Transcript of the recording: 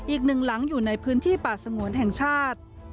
อีกหนึ่งหลังอยู่ในพื้นที่ป่าสงวนแห่งชาติ